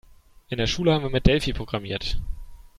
In der Schule haben wir mit Delphi programmiert.